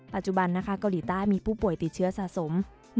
ปัจจุบันนะคะเกาหลีใต้มีผู้ป่วยติดเชื้อสะสม